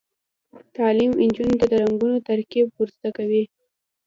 تعلیم نجونو ته د رنګونو ترکیب ور زده کوي.